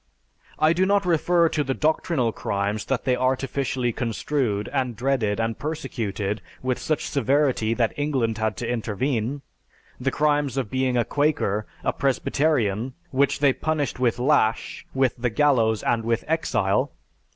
I do not refer to the doctrinal crimes that they artificially construed and dreaded and persecuted with such severity that England had to intervene: the crimes of being a Quaker, a Presbyterian, which they punished with lash, with the gallows, and with exile.